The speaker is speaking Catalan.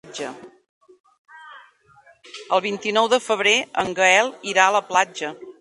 El vint-i-nou de febrer en Gaël irà a la platja.